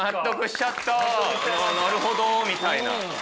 なるほどみたいな。